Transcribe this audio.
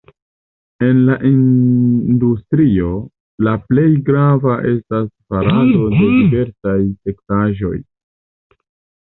En la industrio la plej grava estas farado de diversaj teksaĵoj.